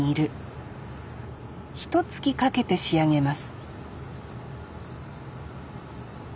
ひとつきかけて仕上げます